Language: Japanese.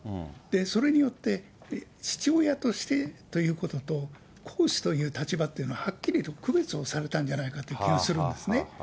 それによって、父親としてということと、皇嗣という立場というのははっきりと区別をされたんじゃないかという気がするんですね。